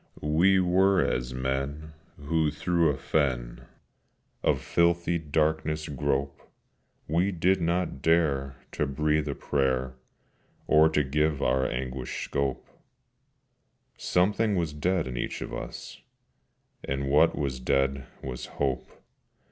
We were as men who through a fen Of filthy darkness grope: We did not dare to breathe a prayer, Or to give our anguish scope: Something was dead in each of us, And what was dead was Hope.